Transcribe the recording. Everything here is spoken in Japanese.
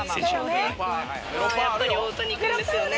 やっぱり大谷君ですよね。